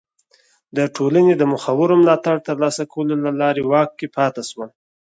د ټولنې د مخورو ملاتړ ترلاسه کولو له لارې په واک کې پاتې شول.